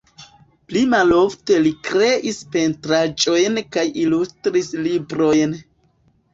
Pli malofte li kreis pentraĵojn kaj ilustris librojn.